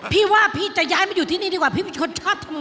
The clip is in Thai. พี่ว่าพี่จะย้ายมาอยู่ที่นี่ดีกว่าแล้วพี่ไม่ชอบทำงาน